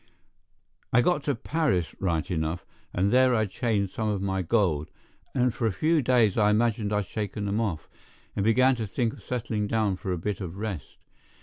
I got to Paris right enough, and there I changed some of my gold, and for a few days I imagined I'd shaken them off, and began to think of settling down for a bit of rest.